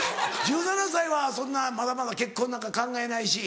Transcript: １７歳はそんなまだまだ結婚なんか考えないし。